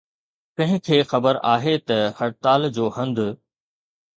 ڪنهن کي خبر آهي ته هڙتال جو هنڌ